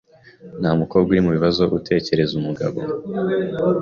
Nta mukobwa uri mubibazowatekereza umugabo